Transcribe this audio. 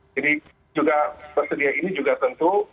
jadi juga tersedia ini juga tentu